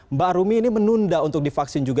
mbak rumi ini menunda untuk divaksin juga